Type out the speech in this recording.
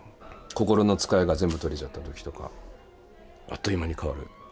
心のつかえが全部取れちゃった時とかあっという間に変わる。